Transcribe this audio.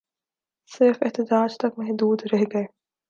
صرف احتجاج تک محدود رہ گئے